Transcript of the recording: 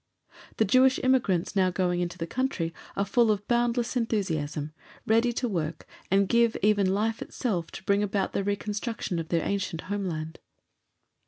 The Jewish immigrants now going into the country are full of boundless enthusiasm, ready to work and give even life itself to bring about the reconstruction of their ancient Homeland.